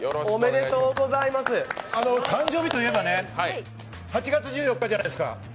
誕生日といえば８月１４日じゃないですか。